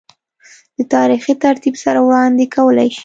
دَ تاريخي ترتيب سره وړاند ې کولے شي